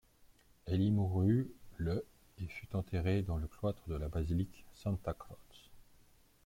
Elle y mourut le et fut enterrée dans le cloître de la Basilique Santa-Croce.